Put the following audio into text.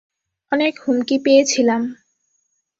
অনেক হুমকি পেয়েছিলাম।